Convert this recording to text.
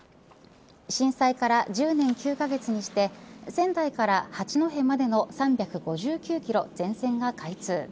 震災から１０年９カ月にして仙台から八戸までの３５９キロ全線が開通。